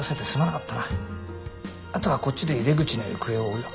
あとはこっちで井出口の行方を追うよ。